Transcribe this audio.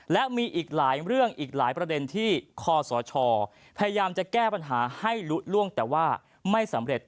และมีอีกหลายเรื่องอีกหลายประเด็นที่คอสชพยายามจะแก้ปัญหาให้ลุล่วงแต่ว่าไม่สำเร็จ